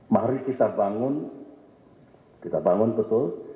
mari kita bangun kita bangun betul